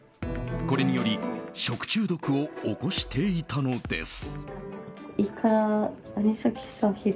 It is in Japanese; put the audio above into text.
これにより食中毒を起こしていたのです。